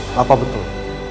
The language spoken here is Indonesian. apa yang benar